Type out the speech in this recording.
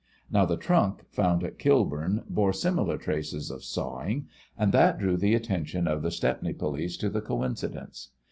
Now, the trunk found at Kilburn bore similar traces of sawing, and that drew the attention of the Stepney police to the coincidence.